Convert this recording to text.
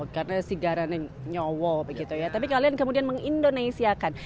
karena si garane nyowo begitu ya tapi kalian kemudian mengindonesiakan